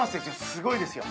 すごいですよ。